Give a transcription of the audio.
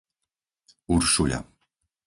Uršuľa